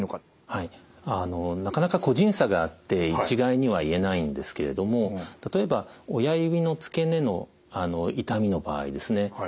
なかなか個人差があって一概には言えないんですけれども例えば親指の付け根の痛みの場合ですね